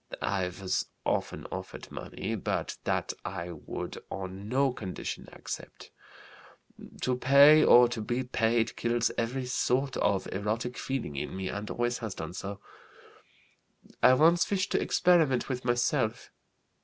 I was often offered money, but that I would on no condition accept. To pay or to be paid kills every sort of erotic feeling in me and always has done so. I once wished to experiment with myself.